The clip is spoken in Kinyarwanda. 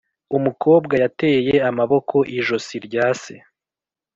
umukobwa yateye amaboko ijosi rya se.